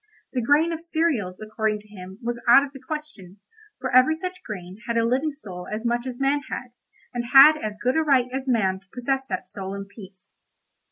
The grain of cereals, according to him, was out of the question, for every such grain had a living soul as much as man had, and had as good a right as man to possess that soul in peace.